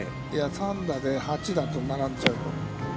３打で８打と並んじゃうと。